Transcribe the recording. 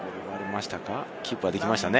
キープは、できましたね。